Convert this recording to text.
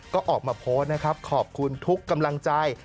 ก็ออกมาโพสต์นะครับขอบคุณทุกกำลังใจ